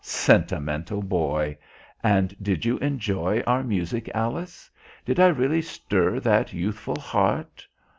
Sentimental boy! And did you enjoy our music, Alice? Did I really stir that youthful heart?...